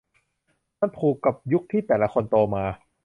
มันผูกกับยุคที่แต่ละคนโตมา